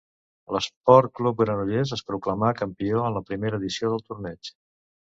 L'Esport Club Granollers es proclamà campió de la primera edició del torneig.